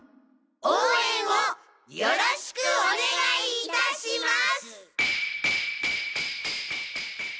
応援をよろしくお願い致します！